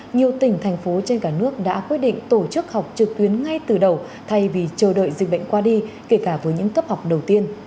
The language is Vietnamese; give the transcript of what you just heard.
nhiều tỉnh thành phố trên cả nước đã quyết định tổ chức học trực tuyến ngay từ đầu thay vì chờ đợi dịch bệnh qua đi kể cả với những cấp học đầu tiên